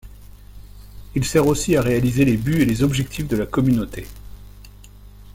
Il sert aussi à réaliser les buts et les objectifs de la Communauté.